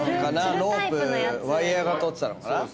ロープワイヤが通ってたのかな。